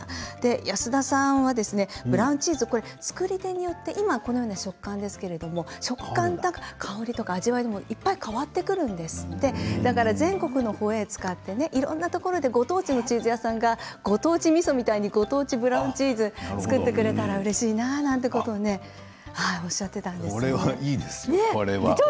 安田さんはブラウンチーズを作り手によって今このような食感ですけれど食感や香り味わいも変わってくるので全国のホエーを使っていろんなところのチーズ屋さんがご当地みそのようにご当地ブラウンチーズを作ってくれたらうれしいなということをこれはいいですね。